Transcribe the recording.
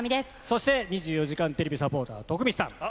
そして２４時間テレビサポー徳光です。